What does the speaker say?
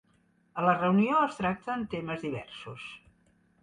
A la reunió es tracten temes diversos.